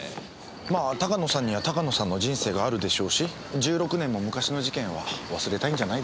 まあ鷹野さんには鷹野さんの人生があるでしょうし１６年も昔の事件は忘れたいんじゃないですか。